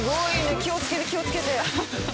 気をつけて気をつけて。